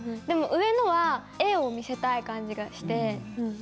でも上のは絵を見せたい感じがして。